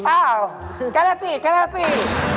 อ้าวแคลศีแคลศี